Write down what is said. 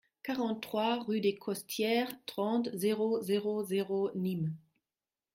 quarante-trois rue des Costières, trente, zéro zéro zéro, Nîmes